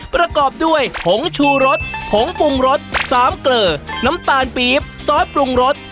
ประกอบด้วยผงชูรสผงปรุงรส๓เกลอน้ำตาลปี๊บซอสปรุงรส